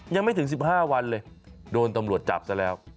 ยังไม่ถึง๑๕วันเลยโดนตำรวจจับซะแล้ว